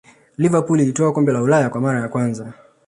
liverpool ilitwaa kombe la ulaya kwa mara ya kwanza